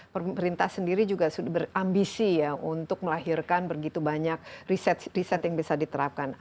pemerintah sendiri juga sudah berambisi ya untuk melahirkan begitu banyak riset riset yang bisa diterapkan